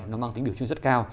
nó mang tính biểu trưng rất cao